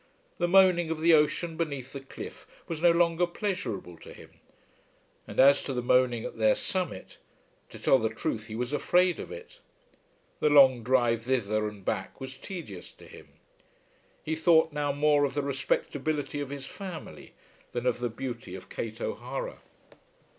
The moaning of the ocean beneath the cliff was no longer pleasurable to him, and as to the moaning at their summit, to tell the truth, he was afraid of it. The long drive thither and back was tedious to him. He thought now more of the respectability of his family than of the beauty of Kate O'Hara.